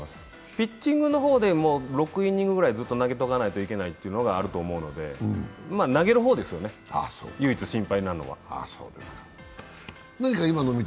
ピッチングの方でも６イニングぐらい投げとかないといけないというのがあるので、まぁ、投げる方ですよね、唯一、心配なのは。